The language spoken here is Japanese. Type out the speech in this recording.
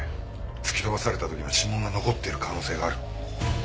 突き飛ばされた時の指紋が残っている可能性がある。